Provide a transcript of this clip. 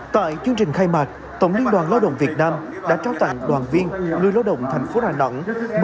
tại chương trình khai mạc tổng liên đoàn lao động việt nam đã trao tặng đoàn viên người lao động thành phố đà nẵng